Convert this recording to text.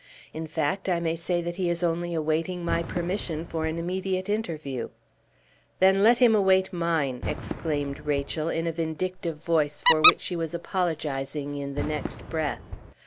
In fact, I may say that he is only awaiting my permission for an immediate interview." "Then let him await mine!" exclaimed Rachel, in a vindictive voice for which she was apologizing in the next breath.